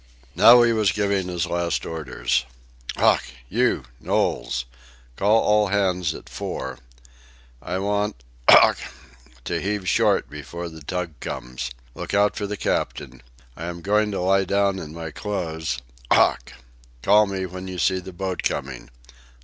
Now he was giving his last orders. "Ough! You, Knowles! Call all hands at four. I want... Ough!... to heave short before the tug comes. Look out for the captain. I am going to lie down in my clothes.... Ough!... Call me when you see the boat coming.